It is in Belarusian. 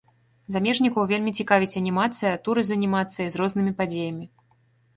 Замежнікаў вельмі цікавіць анімацыя, туры з анімацыяй, з рознымі падзеямі.